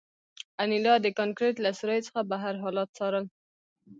انیلا د کانکریټ له سوریو څخه بهر حالات څارل